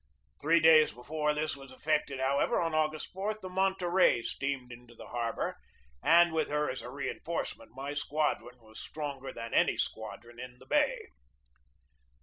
Three days before this was ef fected, however, on August 4, the Monterey steamed into the harbor, and with her as a reinforcement my squadron was stronger than any squadron in the bay.